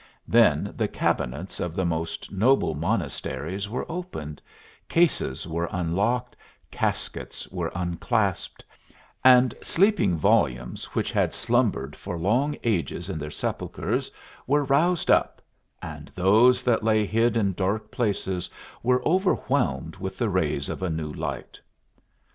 Then the cabinets of the most noble monasteries were opened, cases were unlocked, caskets were unclasped, and sleeping volumes which had slumbered for long ages in their sepulchres were roused up, and those that lay hid in dark places were overwhelmed with the rays of a new light.